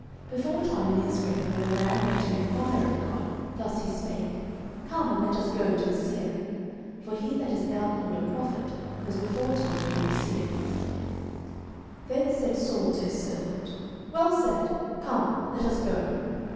09:009:009 (Beforetime in Israel, when a man went to enquire of God, thus he spake, Come, and let us go to the seer: for he that is now called a Prophet was beforetime called a Seer.) 09:009:010 Then said Saul to his servant, Well said; come, let us go.